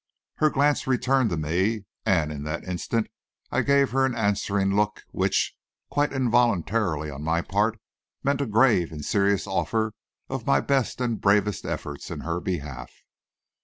Her glance returned to me, and in that instant I gave her an answering look, which, quite involuntarily on my part, meant a grave and serious offer of my best and bravest efforts in her behalf.